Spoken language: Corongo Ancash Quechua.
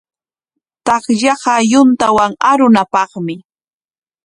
Takllaqa yuntawan arunapaqmi.